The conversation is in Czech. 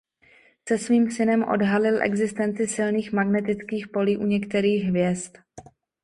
Se svým synem odhalil existenci silných magnetických polí u některých hvězd.